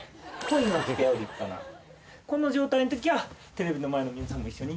この状態の時はテレビの前の皆さんも一緒に。